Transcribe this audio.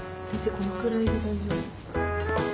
このくらいで大丈夫ですか？